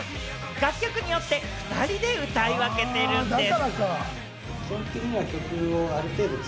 楽曲によって２人で歌い分けているんです。